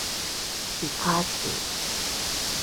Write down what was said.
登入頁面有登出按鈕？！